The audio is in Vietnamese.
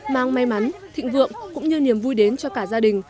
mang may mắn thịnh vượng cũng như niềm vui đến cho cả gia đình